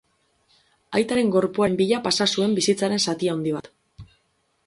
Aitaren gorpuaren bila pasa zuen bizitzaren zati handi bat.